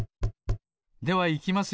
ではいきますよ。